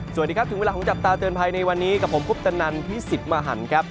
สวัสดีครับถึงเวลาของจับตาเตือนภัยในวันนี้กับผมคุปตนันพี่สิทธิ์มหันครับ